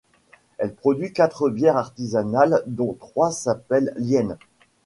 Elle produit quatre bières artisanales dont trois s'appellent Lienne.